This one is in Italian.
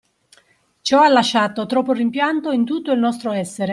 Ciò ha lasciato troppo rimpianto in tutto il nostro essere